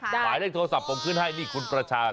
ขายได้โทรศัพท์ผมขึ้นให้นี่คุณประชา๐๘๑๐๖๔๔๕๖๕